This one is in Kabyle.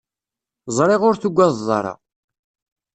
Ẓriɣ ur tugadeḍ ara.